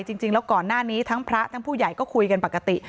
จริงแล้วก่อนหน้านี้ทั้งพระทั้งผู้ใหญ่ก็คุยกันปกติ